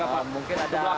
mungkin ada empat puluh kios